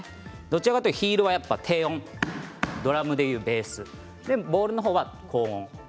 どちらかというとヒールが低音ドラムでいうベースボールの方は高音。